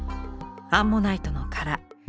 アンモナイトの殻。